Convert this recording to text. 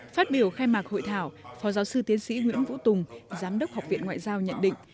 phát biểu khai mạc hội thảo phó giáo sư tiến sĩ nguyễn vũ tùng giám đốc học viện ngoại giao nhận định